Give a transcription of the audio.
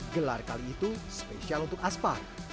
gelar kali itu spesial untuk aspar